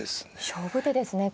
勝負手ですね。